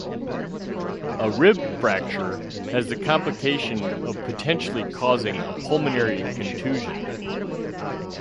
A rib fracture has the complication of potentially causing a pulmonary contusion.